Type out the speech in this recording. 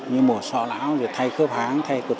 như mổ sọ lão thay khớp háng thay khớp